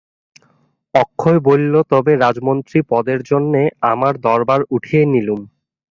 অক্ষয় বলিল, তবে রাজমন্ত্রী-পদের জন্যে আমার দরবার উঠিয়ে নিলুম।